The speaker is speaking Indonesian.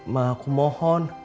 mah aku mohon